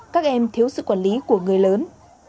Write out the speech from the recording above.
các em thiếu sự quản lý của người lớn